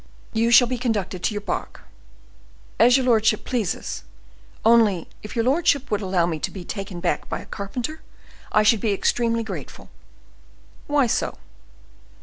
"You shall be conducted to your bark." "As your lordship pleases. Only, if your lordship would allow me to be taken back by a carpenter, I should be extremely grateful." "Why so?"